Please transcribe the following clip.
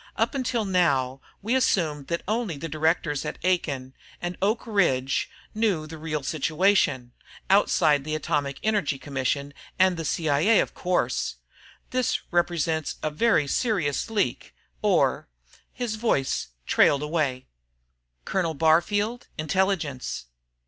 "Up until now, we assumed that only the directors at Aiken and Oak Ridge knew the real situation outside of the Atomic Energy Commission and C.I.A., of course. This represents a very serious leak or...." His voice trailed away. "Colonel Barfield, Intelligence?"